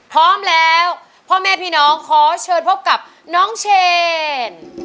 พร้อมแล้วพ่อแม่พี่น้องขอเชิญพบกับน้องเชน